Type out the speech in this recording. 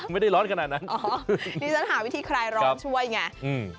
ไม่ได้ร้อนขนาดนั้นอ๋อดิฉันหาวิธีคลายร้อนช่วยไงอืม